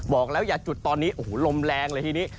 บอกแล้วอย่าจุดตอนนี้โอ้โหลมแรงเลยทีนี้